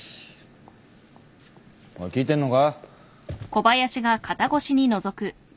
おい聞いてんのか？